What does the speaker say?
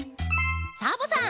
サボさん！